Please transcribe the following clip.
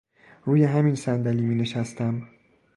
روی همین صندلی می نشستم.